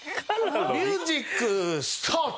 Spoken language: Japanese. ミュージックスタート！